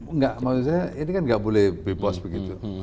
enggak maksud saya ini kan nggak boleh bebas begitu